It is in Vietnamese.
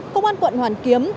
công an quận hoàn kiếm